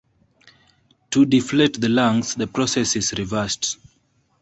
To deflate the lungs, the process is reversed.